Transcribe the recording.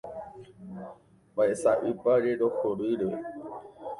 Mba'e sa'ýpa rerohoryve.